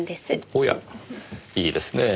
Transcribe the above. おやいいですねぇ。